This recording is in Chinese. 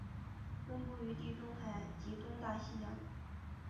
分布于地中海及东大西洋。